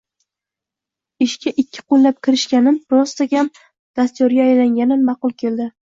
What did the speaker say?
Ishga ikki qoʻllab kirishganim, rostakam dastyorga aylanganim maʼqul keldi.